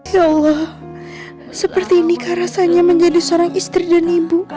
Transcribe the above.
ya allah seperti inikah rasanya menjadi seorang istri dan ibu